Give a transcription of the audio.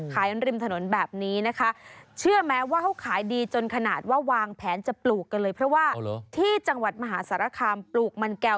ขายบริมถนนแบบนี้นะคะ